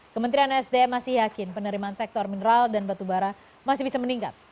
kementerian sdm masih yakin penerimaan sektor mineral dan batubara masih bisa meningkat